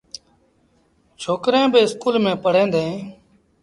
ڇوڪريݩ با اسڪول ميݩ پڙوهيݩ ديٚݩ ۔